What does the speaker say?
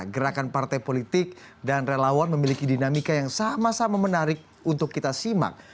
gerakan partai politik dan relawan memiliki dinamika yang sama sama menarik untuk kita simak